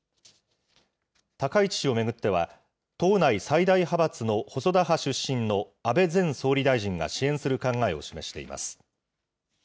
高市氏を巡っては、党内最大派閥の細田派出身の安倍前総理大臣が支援する考えを示しています。